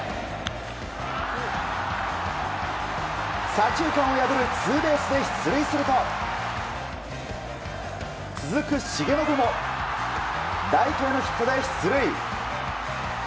左中間を破るツーベースで出塁すると続く重信もライトへのヒットで出塁。